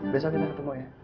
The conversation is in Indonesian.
besok kita ketemu ya